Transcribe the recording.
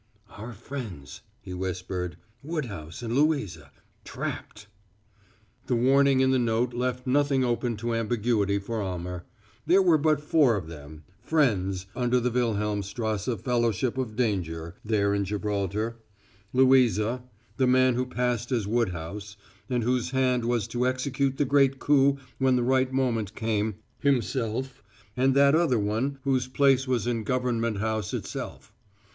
"Our friends," he whispered, "Woodhouse and Louisa trapped!" The warning in the note left nothing open to ambiguity for Almer; there were but four of them "friends" under the Wilhelmstrasse fellowship of danger there in Gibraltar: Louisa, the man who passed as Woodhouse, and whose hand was to execute the great coup when the right moment came, himself, and that other one whose place was in Government House itself.